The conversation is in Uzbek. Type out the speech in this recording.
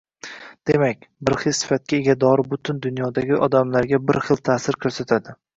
Demak, bir xil sifatga ega dori butun dunyodagi odamlarga bir xil taʼsir ko‘rsatadi.